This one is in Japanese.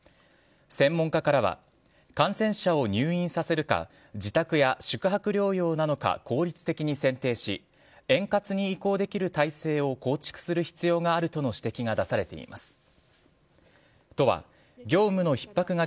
専門家からは感染者を入院させるか自宅や宿泊療養なのか効率的に選定し円滑に移行できる体制を構築する必要があるとの指摘が出されています。